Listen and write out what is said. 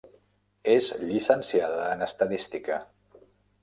És llicenciada en Estadística.